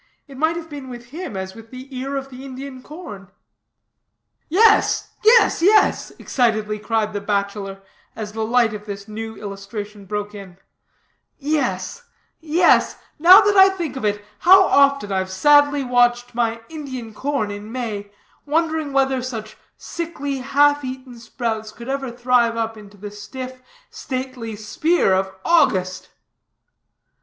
It might have been with him as with the ear of the Indian corn." "Yes, yes, yes," excitedly cried the bachelor, as the light of this new illustration broke in, "yes, yes; and now that I think of it, how often I've sadly watched my Indian corn in May, wondering whether such sickly, half eaten sprouts, could ever thrive up into the stiff, stately spear of August."